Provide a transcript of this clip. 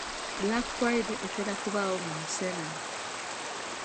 Black Friday etera kubaawo mu Museenene.